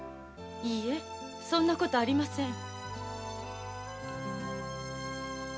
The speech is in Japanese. いいえそんな事ありません。